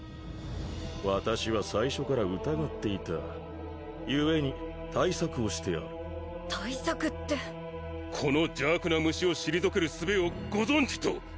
私は最初から疑っていたゆえに対策をしてある対策ってこの邪悪な虫を退けるすべをご存じと！？